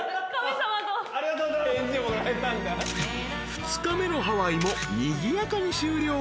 ［２日目のハワイもにぎやかに終了］